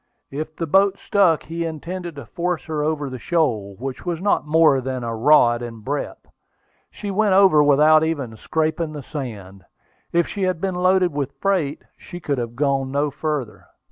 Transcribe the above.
If the boat stuck, he intended to force her over the shoal, which was not more than a rod in breadth. She went over without even scraping the sand. If she had been loaded with freight, she could have gone no farther.